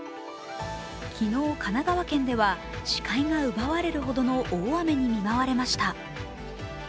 昨日、神奈川県では視界が奪われるほどの大雨に見舞われました。